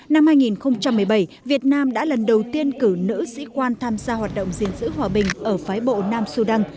năm hai nghìn một mươi bảy việt nam đã lần đầu tiên cử nữ sĩ quan tham gia hoạt động gìn giữ hòa bình ở phái bộ nam sudan